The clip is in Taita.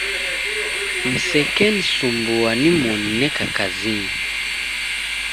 Msekensumbua nimoni neka kazinyi.